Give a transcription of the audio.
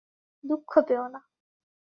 দুঃখ পেও না।